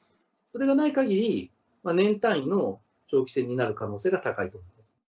それがないかぎり、年単位の長期戦になる可能性が高いと思います。